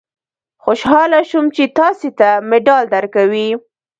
خوشاله شوم چې تاسې ته مډال درکوي.